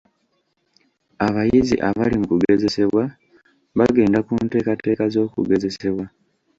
Abayizi abali mu kugezesebwa bagenda ku nteekateeka z'okugezesebwa